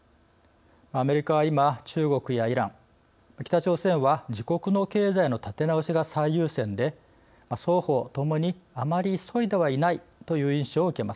アメリカは今中国やイラン北朝鮮は自国の経済の立て直しが最優先で双方ともにあまり急いではいないという印象を受けます。